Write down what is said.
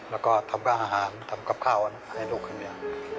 แล้วก็ทำกับอาหารทำกับข้าวให้ลูกให้เรียน